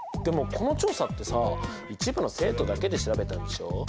でもこの調査ってさ一部の生徒だけで調べたんでしょ？